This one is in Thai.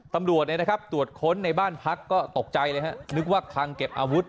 ตำรวจตรวจค้นในบ้านพักก็ตกใจเลยฮะนึกว่าคังเก็บอาวุธ